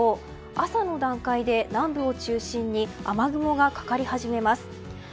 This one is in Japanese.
雨の予想を見ると、朝の段階で南部を中心に雨雲がかかり始めます。